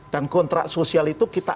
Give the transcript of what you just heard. dan kontrak sosial itu kita